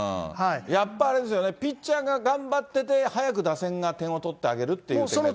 やっぱりあれですよね、ピッチャーが頑張ってて、早く打線が点を取ってあげるってことですね。